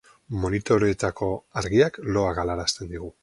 Monitoreetako argiak loa galarazten digu.